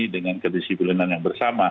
dengan kedisiplinan yang bersama